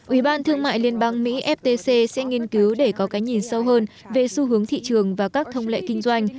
ủy ban thương mại liên bang mỹ ftc sẽ nghiên cứu để có cái nhìn sâu hơn về xu hướng thị trường và các thông lệ kinh doanh